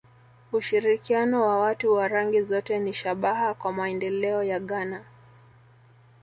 Ushirikiano wa watu wa rangi zote ni shabaha kwa maendeleo ya Ghana